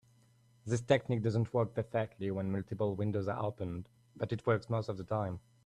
This technique doesn't work perfectly when multiple windows are open, but it works most of the time.